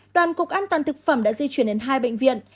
đoàn cục an toàn thực phẩm đã di chuyển đến hai bệnh viện